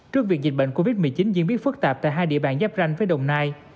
trước việc dịch bệnh covid một mươi chín diễn biến phức tạp tại hai địa bàn giáp ranh với đồng nai